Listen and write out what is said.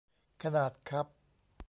ขนาดคัพ